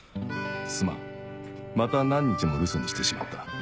すまんまた何日も留守にしてしまった